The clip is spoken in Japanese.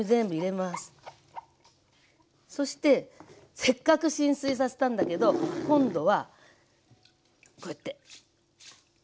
そしてせっかく浸水させたんだけど今度はこうやってきるの。